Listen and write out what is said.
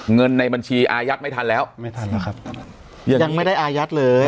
เงินในบัญชีอายัดไม่ทันแล้วไม่ทันแล้วครับยังไม่ได้อายัดเลย